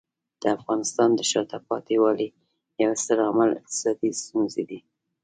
د افغانستان د شاته پاتې والي یو ستر عامل اقتصادي ستونزې دي.